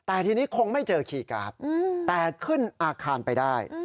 แต่ทีนี้คงไม่เจอคีย์การ์ดแต่ขึ้นอาคารไปได้